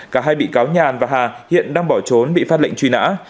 cả hai bị cáo nhàn và hà hiện đang bỏ trốn bị phát lệnh truy nã